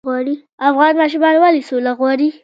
افغان ماشومان ولې سوله غواړي؟